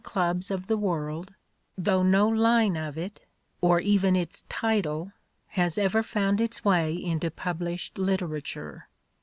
clubs of the world, though no line of it, or even its title, has ever found its way into published literature."